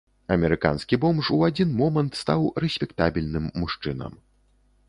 Амерыканскі бомж у адзін момант стаў рэспектабельным мужчынам.